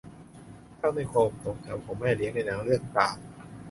ภาพในความทรงจำของแม่เลี้ยงในหนังเรื่องต่าง